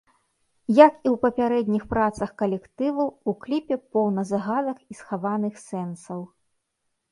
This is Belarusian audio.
Як і ў папярэдніх працах калектыву, у кліпе поўна загадак і схаваных сэнсаў.